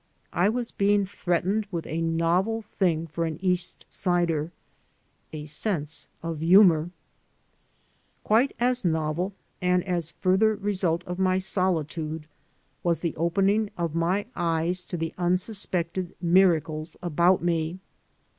I was being threatened with a novel thing for an East Sider — ^a sense of humor. Quite as novel, and as a further result of my solitude, was the opening of my eyes to the unsuspected miracles about me.